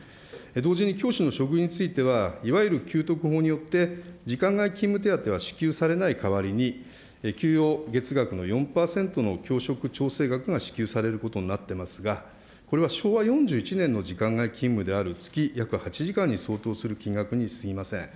同時に教師の処遇については、いわゆる旧特法によって、時間外勤務手当は支給されない代わりに、給与月額の４％の教職調整額が支給されることになってますが、これは昭和４１年の時間外勤務である月約８時間に相当する金額にすぎません。